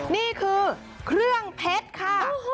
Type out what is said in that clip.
นี่คือเครื่องเพชรค่ะ